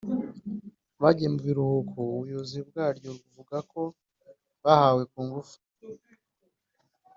bagiye mu biruhuko ubuyobozi bwaryo buvuga ko bahawe ku ngufu